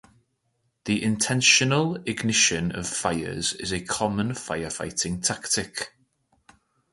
The intentional ignition of fires is a common firefighting tactic.